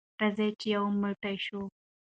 راځئ چې یو موټی شو.